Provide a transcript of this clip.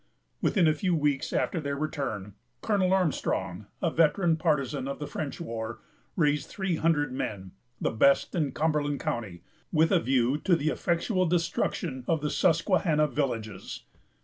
Within a few weeks after their return, Colonel Armstrong, a veteran partisan of the French war, raised three hundred men, the best in Cumberland County, with a view to the effectual destruction of the Susquehanna villages.